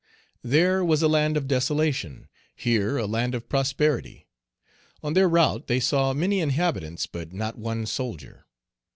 There was a land of desolation; here a land of prosperity. On their route they saw many inhabitants, but not one soldier.